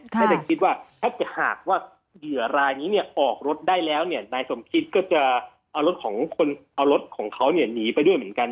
ถ้าสิทธิ์ต้องแค่หากเหลือรายนี้ออกรถได้แล้วนายสมคิตก็จะเอารถของเขานีไปด้วยเหมือนกัน